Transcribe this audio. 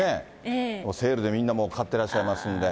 セールでみんなもう買ってらっしゃいますんで。